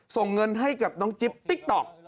ส่งเงินให้กับน้องจิ๊บติ๊กต๊อก